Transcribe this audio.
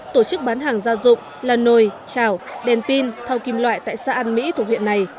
tổ chức bán hàng gia dụng là nồi chảo đèn pin thau kim loại tại xã an mỹ thuộc huyện này